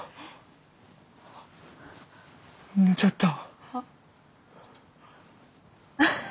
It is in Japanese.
寝ちゃった。